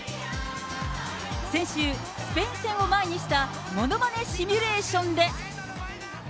先週、スペイン戦を前にしたものまねシミュレーションで。